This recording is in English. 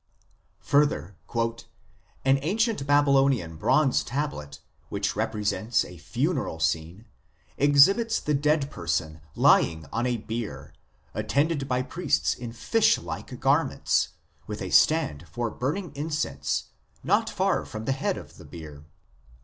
Further, " an ancient Baby lonian bronze tablet, which represents a funeral scene ... exhibits the dead person lying on a bier, attended by priests in fish like garments, with a stand for burning incense not far from the head of the bier.